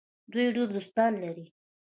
دوی ډیر دوستان لري.